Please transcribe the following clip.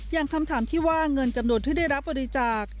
คำถามที่ว่าเงินจำนวนที่ได้รับบริจาค